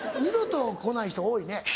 二度と来ない人多いね。